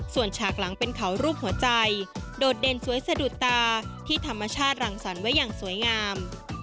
ส่วนฉากหลังเป็นเขารูปหัวใจโดดเด่นสวยสะดุดตาที่ธรรมชาติรังสรรค์ไว้อย่างสวยงาม